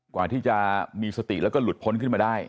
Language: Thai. กว่าที่จะมีสติแล้วก็หลุดพ้นขึ้นมาได้